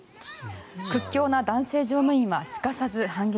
屈強な男性乗務員はすかさず反撃。